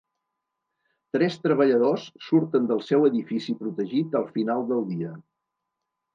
Tres treballadors surten del seu edifici protegit al final del dia.